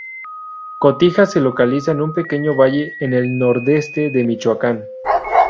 Cotija se localiza en un pequeño valle en el nordeste de Michoacán.